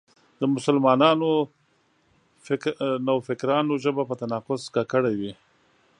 د مسلمانو نوفکرانو ژبه په تناقض ککړه وي.